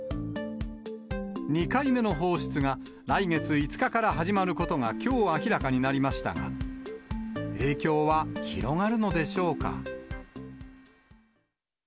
２回目の放出が来月５日から始まることがきょう明らかになりましたが、影響は広がるのでしょうか。